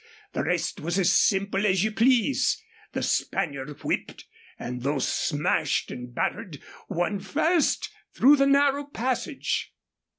The rest was as simple as you please. The Spaniard whipped, and though smashed and battered, won first through the narrow passage."